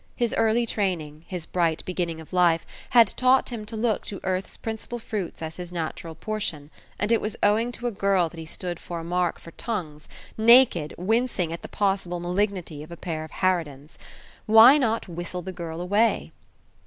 His early training, his bright beginning of life, had taught him to look to earth's principal fruits as his natural portion, and it was owing to a girl that he stood a mark for tongues, naked, wincing at the possible malignity of a pair of harridans. Why not whistle the girl away?